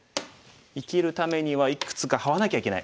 生きるためにはいくつかハワなきゃいけない。